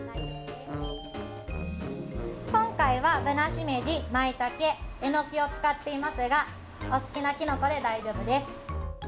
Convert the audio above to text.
今回はぶなしめじ、まいたけ、えのきを使っていますがお好きなきのこで大丈夫です。